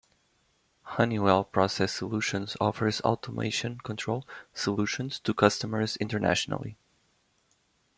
Honeywell Process Solutions offers automation control solutions to customers internationally.